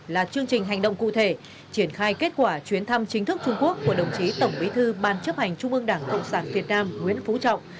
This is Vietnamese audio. là chương trình hành động cụ thể triển khai kết quả chuyến thăm chính thức trung quốc của đồng chí tổng bí thư ban chấp hành trung ương đảng cộng sản việt nam nguyễn phú trọng